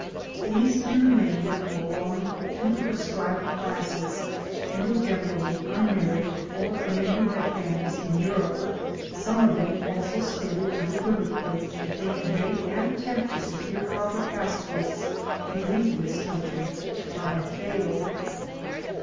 These in the main belonged to the proscribed classes and were generally unmarried or men who had families in Europe. Some of them also stated unequivocally that they had made an attempt to secure proper passports to leave this country but had failed.